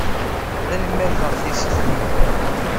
Tanemmirt ɣef tissit-nni.